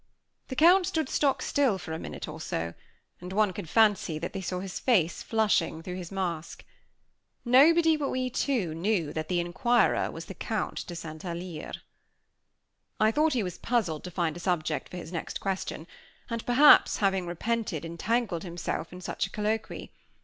The Count stood stock still for a minute or so; and one could fancy that they saw his face flushing through his mask. Nobody, but we two, knew that the inquirer was the Count de St. Alyre. I thought he was puzzled to find a subject for his next question; and, perhaps, repented having entangled himself in such a colloquy.